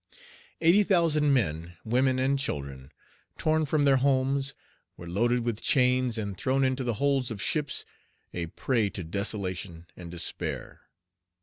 Eighty thousand men, women, and children, torn from their homes, were loaded with chains, and thrown into the holds of ships, a prey to desolation and despair.